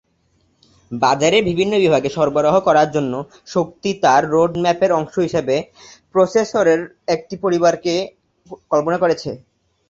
বাজারের বিভিন্ন বিভাগে সরবরাহ করার জন্য, শক্তি তার রোড-ম্যাপের অংশ হিসাবে প্রসেসরের একটি পরিবারকে কল্পনা করেছে।